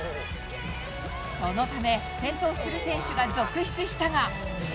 そのため、転倒する選手が続出したが。